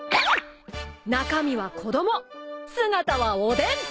中身は子供姿はおでん！